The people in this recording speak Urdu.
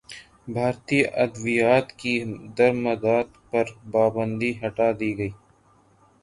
بھارتی ادویات کی درمدات پر پابندی ہٹادی گئی